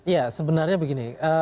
ya sebenarnya begini